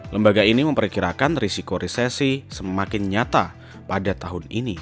lembaga ini memperkirakan risiko resesi semakin nyata pada tahun ini